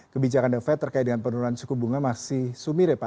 kebijakan the fed terkait dengan penurunan suku bunga masih sumir ya pak